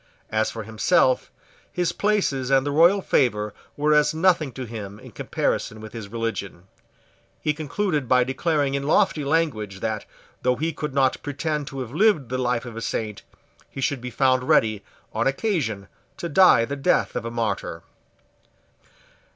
As for himself, his places and the royal favour were as nothing to him in comparison with his religion. He concluded by declaring in lofty language that, though he could not pretend to have lived the life of a saint, he should be found ready, on occasion, to die the death of a martyr.